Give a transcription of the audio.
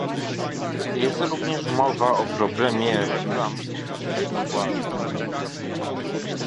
Jest również mowa o problemie reklam usług seksualnych